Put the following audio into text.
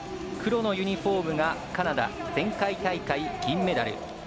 黒のユニフォームがカナダ前回大会、銀メダル。